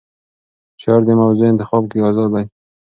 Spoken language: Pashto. شاعر د موضوع انتخاب کې آزاد دی.